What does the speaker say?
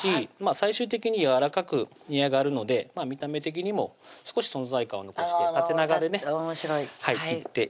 最終的にやわらかく煮上がるので見た目的にも少し存在感を残して縦長でね切っていきます